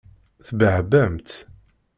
Tebbehbamt?